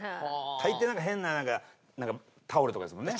大抵なんか変ななんかタオルとかですもんね。